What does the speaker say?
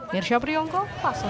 mirsyabri yonko pasuruan